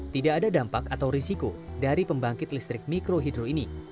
tidak ada dampak atau risiko dari pembangkit listrik mikrohidro ini